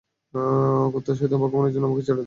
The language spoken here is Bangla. কুত্তা, সয়তান, ভগবানের জন্য আমাকে ছেড়ে দে।